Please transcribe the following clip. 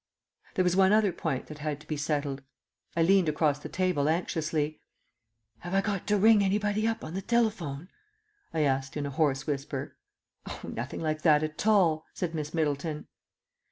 There was one other point that had to be settled. I leant across the table anxiously. "Have I got to ring anybody up on the telephone?" I asked in a hoarse whisper. "Oh, nothing like that at all," said Miss Middleton.